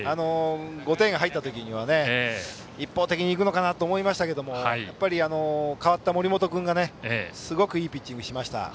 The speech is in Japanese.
５点が入った時にはね一方的に行くかと思いましたが代わった森本君がすごくいいピッチングをしました。